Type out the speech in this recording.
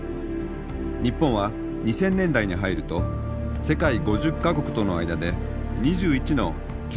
日本は２０００年代に入ると世界５０か国との間で２１の経済連携協定を締結。